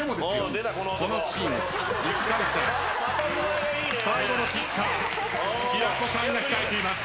このチーム１回戦最後のキッカー平子さんが控えています。